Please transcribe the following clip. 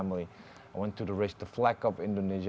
saya ingin menarik panggilan indonesia